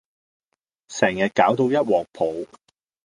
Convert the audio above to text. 成日攪到一鑊泡